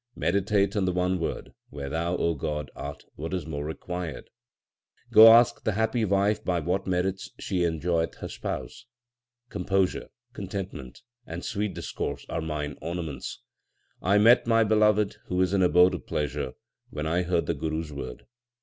Meditate on the one Word ; where Thou, God, art, what more is required ? Go ask the happy wife by what merits she enjoy eth her Spouse * Composure, contentment, and sweet discourse are mine ornaments. I met my Beloved, who is an abode of pleasure, when I heard the Guru s word.